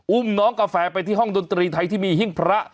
อุ้มน้องกาแฟไปที่ห้องดนตรีไทยที่มีหิ้งพระ